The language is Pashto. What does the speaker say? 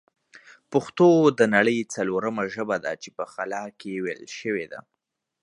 پښتو د نړۍ ځلورمه ژبه ده چې په خلا کښې ویل شوې ده